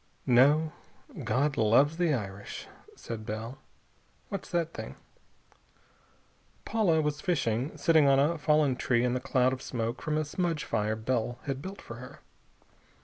"No.... God loves the Irish," said Bell. "What's that thing?" Paula was fishing, sitting on a fallen tree in the cloud of smoke from a smudge fire Bell had built for her.